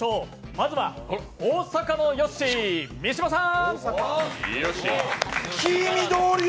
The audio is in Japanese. まずは大阪のヨッシー、三島さん。